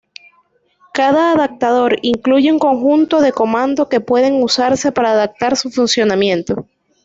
Cada adaptador incluye un conjunto de comando que pueden usarse para adaptar su funcionamiento.